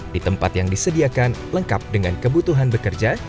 di tempat yang disediakan lengkap dengan kebutuhan bekerja